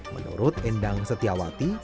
menurut endang setiawan